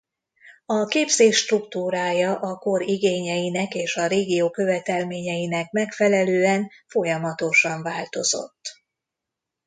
A képzés struktúrája a kor igényeinek és a régió követelményeinek megfelelően folyamatosan változott.